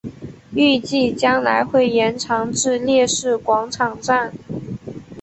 预计将来会延长至烈士广场站。